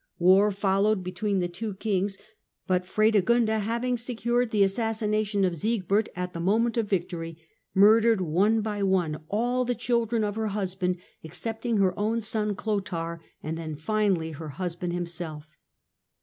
War followed between the two kings, but Fredegonda, having secured the assassination of Siegbert at the moment of victory, murdered one by one all the children of her husband excepting her own son Clotair, and then finall}' her husband himself.